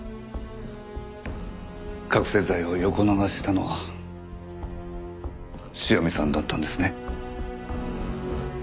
覚醒剤を横流ししたのは塩見さんだったんですね。